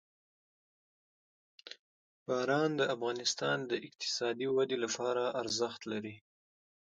باران د افغانستان د اقتصادي ودې لپاره ارزښت لري.